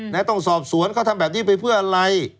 ต้องสอบสวนเขาทำแบบนี้ไปเพื่ออะไร